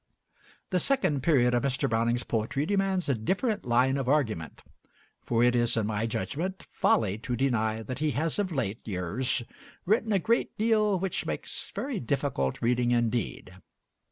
The second period of Mr. Browning's poetry demands a different line of argument; for it is, in my judgment, folly to deny that he has of late years written a great deal which makes very difficult reading indeed.